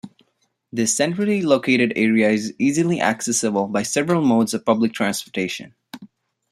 This centrally located area is easily accessible by several modes of public transportation.